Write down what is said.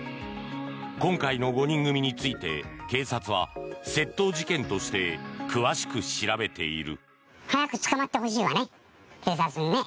今回の５人組について警察は窃盗事件として詳しく調べている。